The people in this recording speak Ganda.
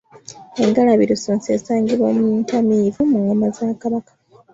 Engalabi lusonso esangibwa muntamivu mu ngoma za Kabaka.